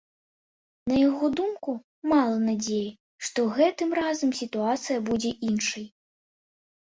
На яго думку, мала надзеі, што гэтым разам сітуацыя будзе іншай.